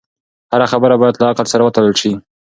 هره خبره باید له عقل سره وتلل شي.